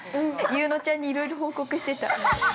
優乃ちゃんにいろいろ報告していた。